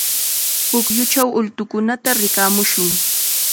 Pukyuchaw ultukunata rikamushun.